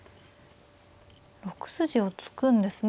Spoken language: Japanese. ６筋を突くんですね。